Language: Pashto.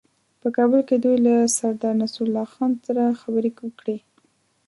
په کابل کې دوی له سردارنصرالله خان سره خبرې وکړې.